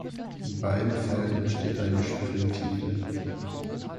In beiden Fällen entsteht eine Springtide.